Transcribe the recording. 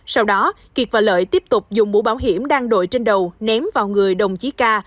sau đó kiệt và lợi tiếp tục dùng mũ bảo hiểm đang đội trên đầu ném vào người đồng chí ca